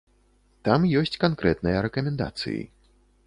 Там ёсць канкрэтныя рэкамендацыі.